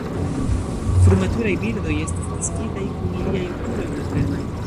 Frumaturaj birdoj estas naskitaj kun iliaj okuloj malfermaj.